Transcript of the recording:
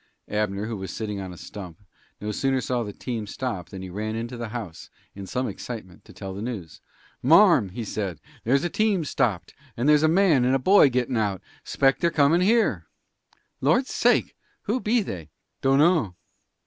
Abner, who was sitting on a stump, no sooner saw the team stop than he ran into the house, in some excitement, to tell the news. "Marm," he said, "there's a team stopped, and there's a man and boy gettin' out; 'spect they're coming here." "Lord's sake! Who be they?" "Dunno."